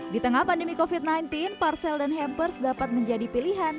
di tengah pandemi covid sembilan belas parcel dan hampers dapat menjadi pilihan